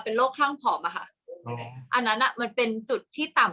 โรคข้างผอมอะค่ะอันนั้นอ่ะมันเป็นจุดที่ต่ำ